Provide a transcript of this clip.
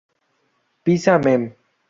Pisa Mem.